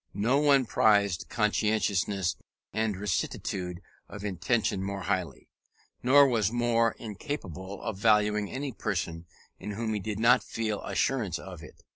No one prized conscientiousness and rectitude of intention more highly, or was more incapable of valuing any person in whom he did not feel assurance of it.